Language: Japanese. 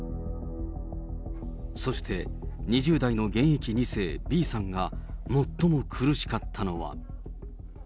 そして、２０代の現役２世、Ｂさんが最も苦しかったのは。